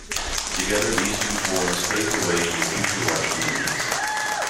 Together, these two forums paved the way for future large communities.